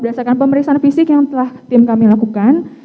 berdasarkan pemeriksaan fisik yang telah tim kami lakukan